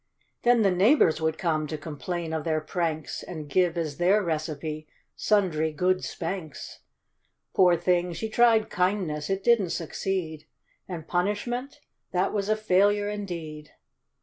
Then the neighbors would come to complain of their pranks, And give— as their recipe — sundry good spanks. Poor thing, she tried kindness ; it didn't succeed ; And punishment,— that was a failure indeed.